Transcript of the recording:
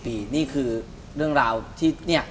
ปีนี่คือเรื่องราวที่เนี่ย